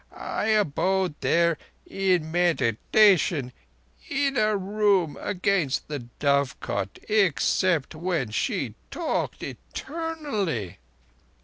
I abode there in meditation in a room against the dovecot—except when she talked eternally."